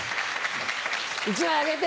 １枚あげて。